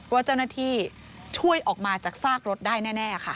ว่าเจ้าหน้าที่ช่วยออกมาจากซากรถได้แน่ค่ะ